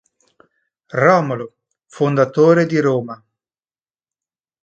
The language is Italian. Romolo, fondatore di Roma.